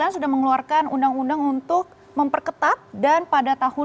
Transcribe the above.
sudah mengeluarkan undang undang untuk memperketat dan pada tahun dua ribu dua puluh